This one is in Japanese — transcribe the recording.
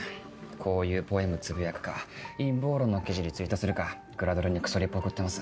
こういうポエムつぶやくか陰謀論の記事リツイートするかグラドルにクソリプ送ってます。